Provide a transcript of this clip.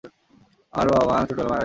আমার বাবা-মা খুব ছোটবেলায় মারা গেছেন।